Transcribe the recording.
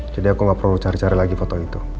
aku gak perlu cari cari lagi foto itu